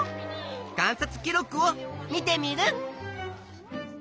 観察記録を見テミルン！